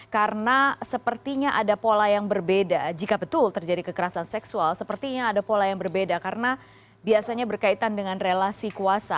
karena sepertinya ada pola yang berbeda jika betul terjadi kekerasan seksual sepertinya ada pola yang berbeda karena biasanya berkaitan dengan relasi kuasa